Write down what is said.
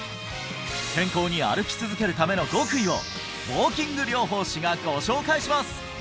健康に歩き続けるための極意をウォーキング療法士がご紹介します